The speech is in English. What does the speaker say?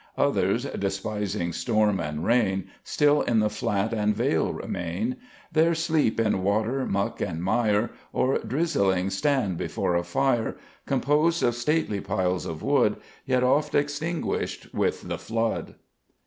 Others despising storm and rain Still in the flat and vale remain, There sleep in water muck and mire, Or drizzling stand before a fire Composed of stately piles of wood, Yet oft extinguished with the flood."